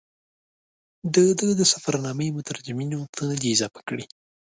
د ده د سفرنامې مترجمینو څه نه دي اضافه کړي.